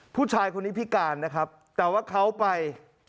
ผู้ชายคนนี้พิการนะครับแต่ว่าเขาไป